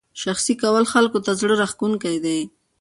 شخصي کول خلکو ته زړه راښکونکی دی.